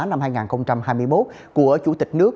năm hai nghìn hai mươi một của chủ tịch nước